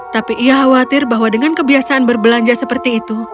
tapi ia khawatir bahwa dengan kebiasaan berbelanja seperti itu